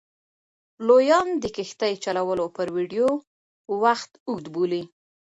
لویان د کښتۍ چلولو پر ویډیو وخت اوږد بولي.